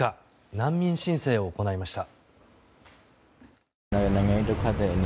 難民申請を行いました。